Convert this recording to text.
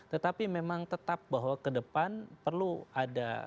tetapi memang tetap bahwa kedepan perlu ada kestimbangan dalam pemerintahan